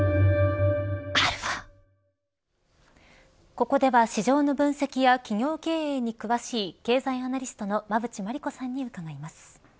ここでは市場の分析や企業経営に詳しい経済アナリストの馬渕磨理子さんに伺います。